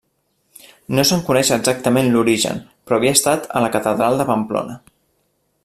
No se'n coneix exactament l'origen però havia estat a la catedral de Pamplona.